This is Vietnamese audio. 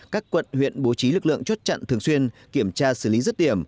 các quận huyện bố trí lực lượng chốt chặn thường xuyên kiểm tra xử lý rứt điểm